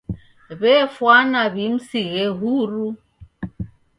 W'efwana w'imsighe huru.